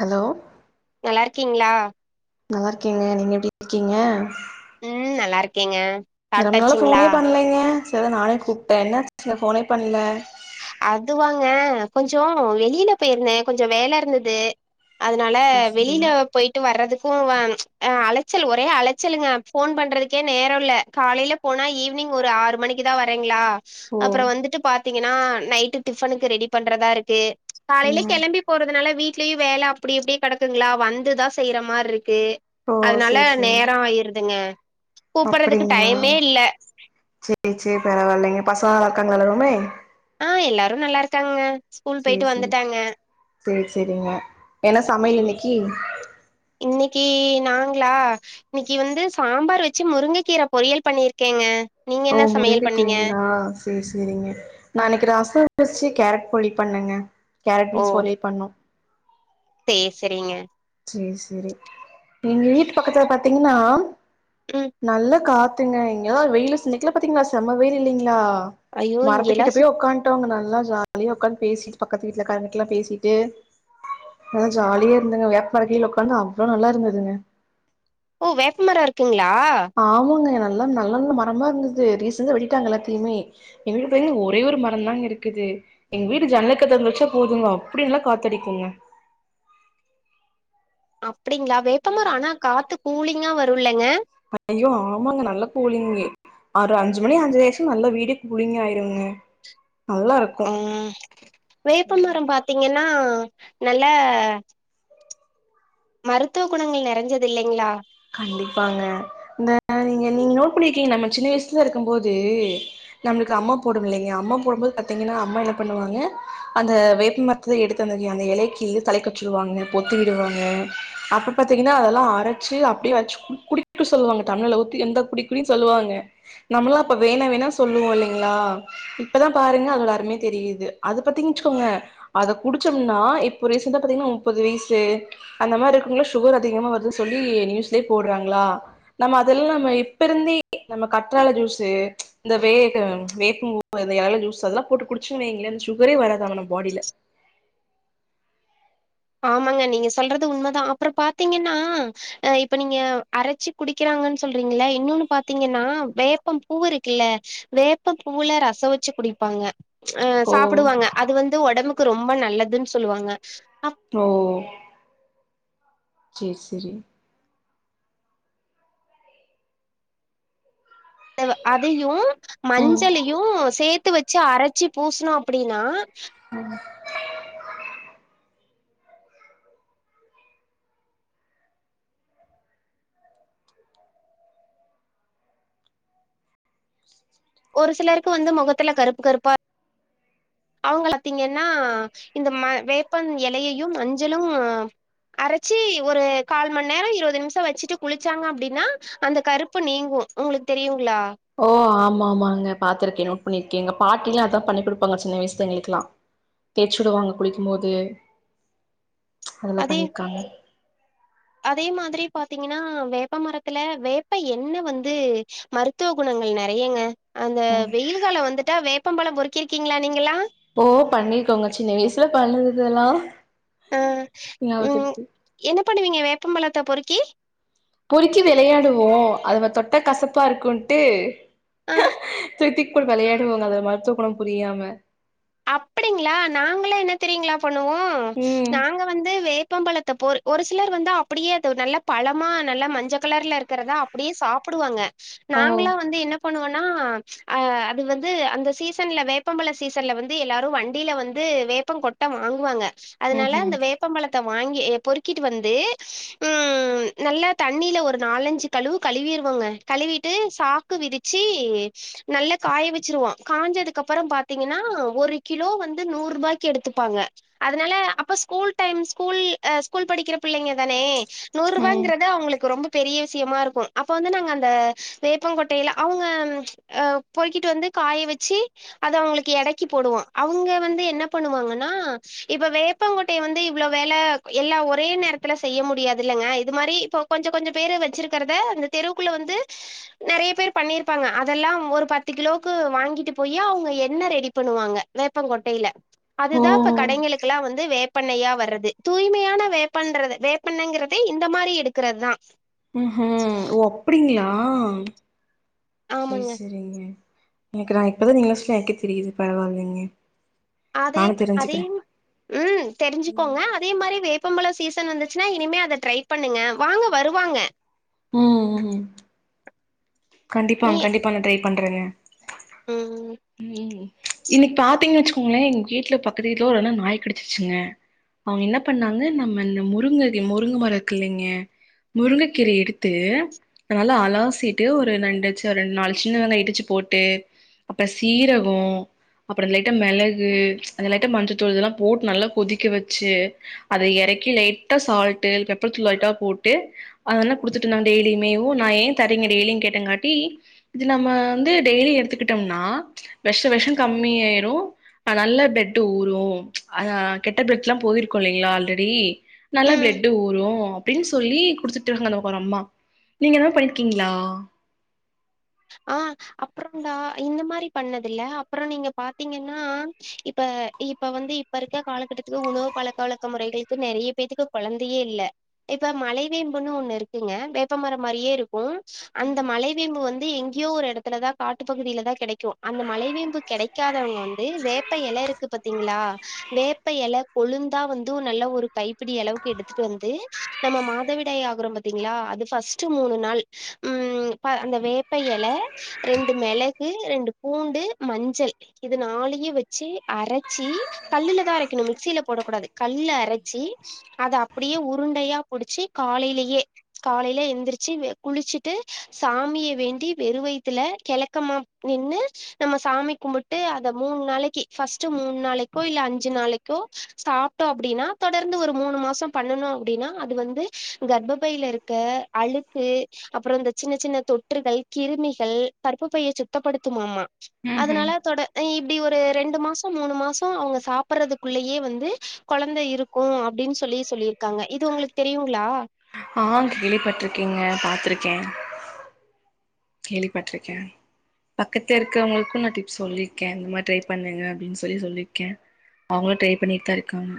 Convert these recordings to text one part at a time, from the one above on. hello நல்லா இருக்கீங்ளா நல்லா இருக்கேங்க நீங்க எப்டி இருக்கீங்க ம் நல்லா இருக்கேங்க ரொம்ப நாளா சாப்ட்டாச்சுங்களா ஃபோனே பண்லேங்க சரி நானே கூப்ட்டே என்னாச்சு ஃபோனே பண்ல அது வாங்க கொஞ்சோ வெளியில போய்ருந்தே கொஞ்சோ வேல இருந்துது அதனால சேரி சேரி வெளியில போய்ட்டு வர்றதுக்கு போவ அழச்சல் ஒரே அழச்சலுங்க ஃபோன் பண்றதுக்கே நேரொ இல்ல காலையில போனா ஈவ்னிங் ஒரு ஆறு மணிக்கு தா வரெங்ளா ஓ அப்ரோ வந்துட்டு பாத்தீங்கன்னா நைட்டு டிஃபனுக்கு ரெடி பண்றதா இருக்கு காலையிலே ம் கெளம்பி போறதுனால வீட்லயு வேல அப்டி அப்டியே கெடக்குங்ளா வந்துதா செய்ற மார்ருக்கு கு ஓ அதனால சேரி சேரி நேரொ ஆயிருதுங்க கூப்டுறதுக்கு அப்டிங்களா டைமே இல்ல சேரி சேரி பரவால்லங்க பசங்ல்லா நல்லா இருக்காங்ளா எல்லாருமே ஆ எல்லாரு நல்லா இருக்காங்கங்க ஸ்கூல் சேரி பேய்ட்டு சேரி வந்துட்டாங்க சேரி சேரிங்க என்ன சமையல் இன்னைக்கி இன்னக்கி நாங்ளா இன்னக்கி வந்து சாம்பார் வச்சு முருங்கை கீர பொரியல் பண்ணிருக்கேங்க நீங்க ஓ என்ன சமையல் முருங்கை பண்ணீங்க கீரைங்ளா சேரி சேரிங்க நா இன்னக்கி ரஷோ வச்சு கேரட் பொறியல் பண்ணங்க கேரட் ஓ பீன்ஸ் பொறியல் பண்ணோ சேர் செரிங்க சேரி சேரி எங்க வீட்டு பக்கத்ல பாத்தீங்ன்னா ம் நல்ல காத்து ங்க இங்கலா வெயிலு ஸ்நிக்கல பாத்தீங்ளா செம்ம வெயில் இல்லீங்ளா ஐயோ இங்கெல்லா மரத்துக்கிட்ட போய் சுத் உக்காட்டோங்க நாங்க நல்லா ஜாலியா உக்காந் பேசிட்டு பக்கத்து வீட்லக்காரங்கட்லா பேசிட்டு அத ஜாலியா இருந்தங்க வேப்மர கீழ உக்காந்தா அவ்ளோ நல்லா இருந்துதுங்க ஓ வேப்மரம் இருக்குங்லா ஆமாங்க நல்ல எல்லா நல்ல நல்ல மரமா இருந்துது ரீசன்டா வெட்டிடாங்க எல்லாத்தியுமே எங்க வீட்ல இப்ப ஒரே ஒரு மரந்தாங்க இருக்குது எங்க வீட்டு ஜன்னல் கதவ தொரந்து வச்சா போதுங்க அப்டி நல்லா காத்தடிக்குங்க அப்டிங்களா வேப்ப மரோ ஆனா காத்து கூலிங்கா வருல்லங்க ஐயோ ஆமாங்க நல்லா கூலிங்கு ஆறு அஞ்சு மணி அஞ்சற ஆச்சுனா நல்ல வீடு கூலிங்க ஆயிருங்க நல்லா இருக்கு ஆ வேப்ப மரோ பாத்தீங்கன்னா நல்ல மருத்துவ குணங்கள் நெறஞ்சது இல்லைங்ளா கண்டிப்பாங்க இந்த நீங்க நீங்க நோட் பண்ணிருக்கீங்க நம்ம சின்ன வயசுல இருக்கும் போது நம்ளுக்கு அம்மா போடும் இல்லைங்க அம்மா போடும்போது பாத்தீங்கன்னா அம்மா என்ன பண்ணுவாங்க அந்த வேப்பு மரத்தை எடுத்து அந்த எலைக்கி தலை கற்றிடுவாங்க போத்தி விடுவாங்க அப்ப பாத்தீங்கன்னா அதெல்லா அரைச்சு அப்ப அப்டி வச்சு குடிக்க சொல்வாங்க டம்ளர்ல ஊத்தி இந்தா குடிகுடினு சொல்லுவாங்க நம்மளாம் அப்ப வேண வேணா சொல்லு வோ இல்லைங்ளா இப்பதா பாருங்க அதோட அருமயே தெரியுது அத பத்திங்கிச்சுக்கோங்க அத குடிச்சது ன்னா இப்போ ரீசன்டா பாத்தீங்கன்னா முப்பது வயசு அந்த மாரி இருக்குறவ்ளுக்கு சுகர் அதிகமா வருது சொல்லி நியூஸ் லயே போடுறாங்களா நம்ம அதெல்லா நம்ம இப்ப இருந்தே நம்ம கற்றால ஜூஸு இந்த வே வேப்பம்பூ [unintelligible] ஜூஸ் அதெல்லாம் போட்டு குடிச்சுங்கீனு வைங்களே அ இந்த சுகரே வராது நம் பாடில [inaudible] ஆமாங்க நீங்க சொல்றது உண்மதா அப்புற பாத்தீங்கன்னா அ இப்ப நீங்க அரச்சு குடிக்கிற றாங்கனு சொல்றீங்கள்ள இன்னொன்னு பாத்தீங்கன்னா வேப்பம் பூவு இருக்குல்ல வேப்பம் பூவுல ரச வச்சு குடிப்பாங்க அ ஓ சாப்பிடுவாங்க அது வந்து ஒடம்புக்கு ரொம்ப நல்லதுன் சொல்வாங்க ஓ சேரி செரி தேவ அதையு ம் மஞ்சளையு சேத்து த்து வச்சு அரச்சி பூசணு அப்டின்னா ம் ஒரு சிலருக்கு வந்து முகத்துல கருப்பு கருப்பா அவுங்க ளத்தீங்கன்னா இந்த மா வேப்பன் எலையையும் மஞ்சலும் அரச்சி ஒரு கால் மண் நேரோ இருபது நிமிஷம் வச்சுட்டு குளிச்சாங்க அப்டின்னா அந்த கருப்பு நீங்கு உங்களுக்கு தெரியு ஓ ஆமா ஆமாங்க பாத்துருக்கே பொன்னிற்க்கேங்க பாட்டிலா அதான் பண்ணி குடுப்பாங்க சின்ன வயஸ்ல எங்களுக்குக்கெல்லா தேச்சு விடுவாங்க குளிக்கும்போது அதெல்லாம் அதே பண்ணிருக்காங்க அதே மாதிரி பாத்தீங்கன்னா வேப்பமரத்துல வேப்ப எண்ண வந்து மருத்துவ குணங் கள் நெறையேங்க அந்த வெயில் காலோ வந்துட்டா வேப்பம்பழம் பொறுக்கிருக்கீங்களா நீங்களா ஓ பண்ணிருக்கோங்க சின்ன வயசுல பண்ணுனது எல்லா ஆஹ் உம் என்ன பண்ணுவீங்க வேப்பம்பழத்த பொறுக்கி பொறிக்கி விளையாடுவோ அதுவ தொட்ட கசப்பா ருக்குன்ட்டு அ துய்க்தூக் போட்டு விளையாடுவோங்க அது மருத்துவ குணம் புரியாம அப்டிங்களா நாங்களா இன்னா தெரியீங்களா பண்ணுவோ ம் நாங்க வந்து வேப்பம்பழத்த பொரு ஒரு சிலர் வந்து அப்டியே அது நல்ல பழமா நல்ல மஞ்ச கலர்ல இருக்கிறதா அப்டியே சாப்டுவாங்க ஓ நாங்களா வந்து என்னப் பண்ணுவனா அ அது வந்து அந்த சீசன்ல வேப்பம்பழ சீசன்ல வந் து எல்லாரும் வண்டியில வந்து வேப்ப கொட்ட வாங்குவாங்க அதனால ம்ஹும் அந்த வேப்பம்பழத் த வாங்கி பொறுக்கிட்டு வந்து ம் நல்லா தண்ணியில ஒரு நாலஞ்சு கழுவு கழுவி விருவோங்க கழுவீட்டு சாக்கு விரிச்சி நல்ல காய வெச்சிருவோன காஞ்சதுக்குப்புறம் பாத்தீங்கன்னா ஒரு கிலோ வந்து நூற்ரூபாய்க்கு எடுத்துப்பாங்க அதனால அப்ப ஸ்கூல் டைம் ஸ்கூல் அ ஸ்கூல் ப டிக்கிற பிள்ளைங்க தானே ம் ம் நூரூபாங்கிறது அவங்களுக்கு ரொம்ப பெரிய விஷயமா இருக்கும் அப்ப வந்து நாங்க அந்த வேப்பங்கொட்டையில அவுங்க பொருகிட்டு வந்து காய வெச்சி அத அவுங்களுக்கு எடைக் கிப் போடுவோ அவுங்க வந்து என்ன பண்ணுவாங்கன்னா இப்ப வேப்பாங்கோட்டய வந்து இவ்ளோ வெல எல்லா ஒரே நேரத்தில செய்ய முடியாது இல்லங்க இது மாரி இப்ப கொஞ்ச கொஞ்ச பேர் வச்சிருக்கிறத அந்த தெருவுக்குள்ள வந்து நெறைய பேர் பண்ணிருப்பாங்க அதெல்லாம் ஒரு பத்து கிலோவுக்கு வாங்கிட்டு போயி அவுங்க எண்ணெ ரெடிப் பண்ணுவாங்க வேப்பங்கொட்டையில ஓ அதுதான் இப்ப கடைங்களுக்கெல்லா வந்து வேப்பெண்ணயா வர்றது தூய்மையான வேப்பண்றது வேப்பெண்ணங்கரது இந்த மாரி எடுக்கிறத்தா ம்ஹும் ஓ அப்டிங்களா சேர் ஆமாங்க செரிங்க எனக்கு நான் இப்பதான் நீங்களா சொ எனக்கே தெரியுது பரவால்லிங்க அதே அதே உம் ம் தெரிஞ்சுக்கோங்க அதே மாரி வேப் பம்பழ சீசன் வந்துச்சுன்னா இனிமே அதை ட்ரை பண்ணுங்க வாங்க வருவாங்க ம் ம் நீ கண்டிப்பாங் கண்டிப்பா நா ட்ரை பண்றேங்க ம் உம் இன்னிக்கு பாத்தீங்கன் வச்சுக்கோங்களேன் எங்க கேட்டுல பக்கத்து வீட்ல ஒருஅண்ணன் நாய் கடிச்சிருச்சுங்க அவுங்க என்னப் பண்ணாங்க நம்ம இந்த முருங்க முருங்க மரம் இருக்குல்லிங்க முருங்கக்கீரய எடுத்து அத நல்லா அலாசிட்டு ஒரு நண்டுச்சு ஒரு ரெண்டு நாலு சின்ன வெங்காயோ இடிச்சு போட்டு அப்புற சீரகோ அப்புற இந்த லைட்ட மெளகு அந்த லைட்ட மஞ்சத்தூள் இதெல்லா போட்டு நல்லா கொதிக்க வச்சு அத எறக் கி லைட்டா சால்ட்டு பெப்பர் தூளு லைட்டா போட்டு அந்தண்ணாக் குடுத்துட்டுருந்தாங்க டெய்லிமேவு நா ஏன் தரே ங்க டெய்லி கேட்டங்காட்டி இது நம்ம வந்து டெய்லி எடுத்துக்கிட்டு டம்னா வெஷ வெஷம் கம்மியாயிரு ஹ நல்ல பிளட் ஊரும் ஆஹ் கெட்ட பிளட்ல்லா போய்ருக்குலைங்களா ஆல்ரெடி நல்ல ம் பிளட்டு ஊரும் அப்டின் சொ சொல்லி குடுத்துட் இருந்தா ங் ஒரு அம்மா நீங்க என்ன பண்ணிருக்கீங்களா ஆஹ் அப்புறன்டா இந்த மாரி பண்ணதுல்ல அப்புற நீங்க பாத்தீங்கன்னா இப்ப அ இப்ப வந்து இப்ப இருக்க காலக்கட்டத்துகு உணவு பழக்க வழக்க முறைகளுக்கு நெறைய பேத்துக்கு கொழந்தையே இல்ல இப்ப மலைவேம்புன்னு ஒன்னு இருக்குங்க வேப்பமரம் மாரியே இருக்கும் அந்த மலைவேம்பு வந்து எங்க கியோ ஒரு எடத்துலதா காட்டுப்பகுதிலதா கெடைக்கு அந்த மலைவேம்பு கெடைக்காதவங்க வந்து வேப்ப எலருக்கு பாத்தீங்ளா வேப்ப எல கொழுந்தா வந்து நல்ல ஒரு கைப்பிடி அளவுக்கு எடுத்துட்டு வந்து நம்ம மாதவிடாய் ஆகுறோ பாத்தீங்ளா அது பஸ்ட்டு மூனு நாள் உம் ப அந்த வேப் ப்ப எல ரெண்டு மிளகு ரெண்டு பூண்டு மஞ்சள் இதுனாலியே வச்சி அரச்சி கல்லூலதா அரைக்கனு மிக்சில போடக்குடாது கல்ல அரச்சி அத அப்புடியே உரு ண்டையா புடிச்சி காலைலியே காலைல எந்திரிச்சு குளிச்சுட்டு சாமிய வேண் ட்டி வெறு வயித்துல கெழக்கமா நின்னு நம்ம சாமி கும்புட்டு அத மூன் நாளைக்கு பஸ் ஸ்ட்டு மூன் நாளைக்கோ இல்ல அஞ்சு நாளைக்கோ சாப்டோ அப்டினா தொடர்ந்து ஒரு மூனு மாசோ பண்ணனு அப்டின் னா அது வந்து கர்ப்பைல இருக்க அழுக்கு அப்ற இந்த சின்ன சின்னத் தொற்றுகள் கிருமிகள் கற்பப்பைய சுத்தப்படுத்துமாமா ம்ஹும் அதுனால தொட இப் அப்டி ஒரு ரெண்டு மாச மூனு மாச அவுங்க சாப்பிர்றதுக்குள்ளயே வந்து கொழந்த இருக்கு அப்டின் சொல்லி சொல்லி சொல்லியிருக்காங்க இது உங்ளுக்கு தெரியுங்ளா ஆ கேள்விப்பட்டிருக்கேங்க பாத்ருக்க கேள்விப்பட்ருக்கே பக்கத்து இருக்கவங்ளுக்கு நா டிப்ஸ் சொல்லிருக்கே இந்த மாரி ட்ரை பண்ணுங்க அப்டின் சொல்லி சொல்லிருக்கே அவுங்களு ட்ரை பண்ணிட்தா இருக்காங்க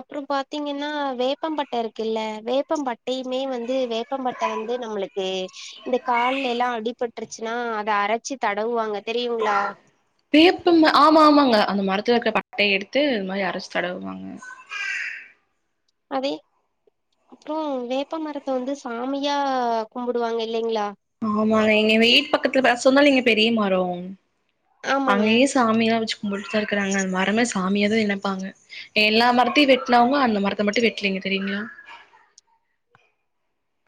அப்றம் பாத்தீங்கென்னா வேப்பம்பட்ட இருக்குல்ல வேப்பம்பட்டையிமே வந் து வேப்பம் பட்ட வந்து நம்மளுக்கு இந்த கால்லெலா அடிபட் ருச்சுனா அத அரச்சி தடவுவாங்க தெரியுங்களா வேப்பம் ஆமா ஆமாங்க அந்த மரத் த்துல இருக்க பட்டைய எடுத்து அது மாரி அரச்சு தடவுவாங்க அதி அப்ற வேப்ப மரத்த வந்து சாமியா கும்புடுவாங்க இல்லைங்ளா அம்மா எனை வீட் பக்கத்ல பேச சொன்னல் நீங்க பெரியமரோ ஆமாங்க அங்கியே சாமிலா வச்சு கும்புட்டுடுதா இருக்கறாங்க மரமே சா சாமியாதா நெனப்பாங்க எல்லா மரத்தையு வெட்டனவுங்க அந்த மரத்த மட்டு வெட்லீங்க தெரியுங்ளா [inaudible]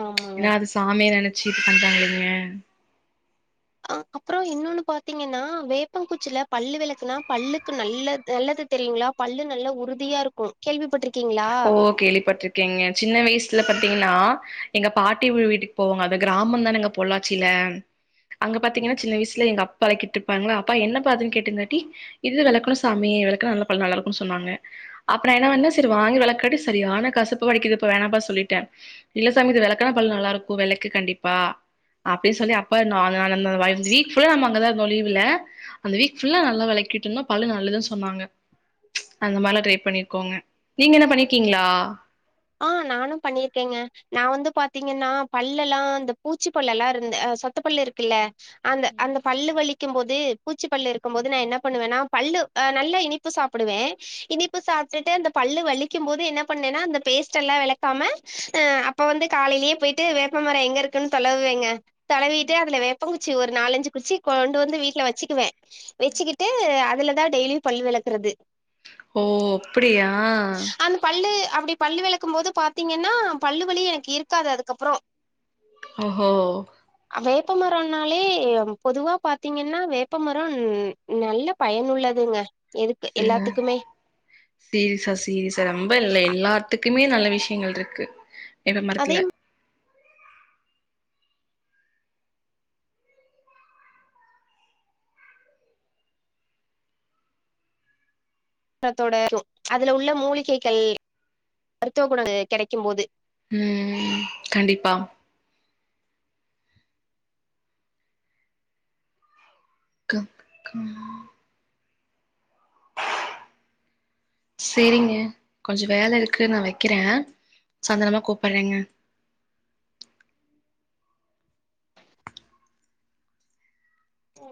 ஆமாங்க ஏனா அது சாமிய நெனச்சு இது பண்றாங்கல்லிங்க அப்ற இன்னொன்னு பாத்தீங்கன்னா வேப்பங்குச்சில பல்லு வெளக்கனா பல்லுக்கு நல்ல நல்லது தெரியுங்ளா பல்லு நல்ல உறுதியா இருக்கு கேள்விப்பட்ருக் ஓ கேள்விப்பட்ருக்கேங்க சின்ன வய்ஸ்ல ப த்திங்னா எங்க பாட்டி வீட்டுக்கு போவங்க அது கிராமந்தானங்க பொள்ளாச்சில அங்க பாத்தீங்னா சின்ன வீஸ்ல எங்க அப்பளைக்கிட்ருப்பாங்ளா அப்பா என்னப்பா அதுன் கேட்ருந்தாட்டி இது வெளக்கணு சாமி மி வெளக்கனா நல்ல பல் நல்லாருக்குன் சொன்னாங்க அப்ப நா என்ன பண்ண செரி வாங்கி வெளக்காட்டி சரியான கசப்பு வடிக்கிதுப்ப வேணாம்பா சொல்லிட்ட இல்ல சாமி இது வெளக்கனா பல்லு நல்லாருக்கு வெள க்கு கண்டிப்பா அப்டின் சொல்லி அப்ப நானு [unintelligible] அந்த வீக் ஃபுல்லா நம்ம அங்கதா இருந்தோ லீவுல அந்த வீக் ஃபுல்லா நல்ல வெளைக் கிட்டன பல்லு நல்லதுன் சொன்னாங்க அந்த மார்லா ட்ரை பண்ணிருக்கோங்க நீங்க என்ன பண்ணிருக்கீங்ளா ஆ நானும் பண்ணிருக்கேங்க நா வந்து பாத்தீங்கன்னா பல்லெலா இந்த பூச்சி பல்லலெல்லா இருந்த அ சொத்த பல்லு இருக்குல்ல அந்த அந்த பல்லு வலிக் க்கும் போது பூச்சி பல்லு இருக்கும் போது நா என்ன பண்ணுவனா பல்லு அ நல்லா இனிப்பு சாப்டுவே இனிப்பு சாப் ப்டுட்டு அந்த பல்லு வலிக்கும் போது என்னப் பண்ணேனா அந்தப் பேஸ்ட்டெல்லா வெளக்காம அ அப்ப வந்து காலைலியே போயிட்டு வேப்பமர எங்க இருக்குன்னு தொலைவுவேங்க தலைவிட்டு அதுல வேப்பங்கச்சி ஒரு நாளஞ்சு குச்சி கொண்டு வந்து வீட்ல வச்சிக்குவே வச்சுகிட்டு அதுலதா டெய்லியு பல்லு வெளக்குறது ஓ அப்டியா அந்த பல்லு அப்டி பல்லு வெளக்கும் போது பாத்தீங்கன்னா பல்லு வலி எனக்கு இருக்காது அதுக்கப்ற ஒஹோ வேப்பமரம்னாலே பொதுவா பாத்தீங்கன்னா வேப்பமரம் நல்ல பயனுள்ளதுங்க எதுக்கு செர் எல்லாத்துக்குமே சிரிசா சிரிசா ரொம்ப இல்லை அ- எல்லா த்துக்குமே நல்ல விஷயங்கள் இருக்கு இந்த அதே மரத்துல த்தோட இரு அதுல உள்ள மூலிகைகள் மருத்துவ குணம் கெடைக்கு போது உம் கண்டிப்பா க க செரிங்க கொஞ்சோ வேல இருக்குன்னு நா வைக்கிறே சந்தனரமா கூப்றேங்க ஓ